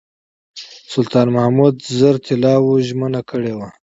سلطان محمود زر طلاوو ژمنه کړې وه.